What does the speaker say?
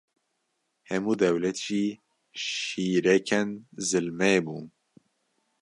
hemû dewlet jî şîrêkên zilmê bûn